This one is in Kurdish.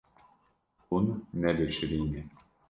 Hûn nebişirîne.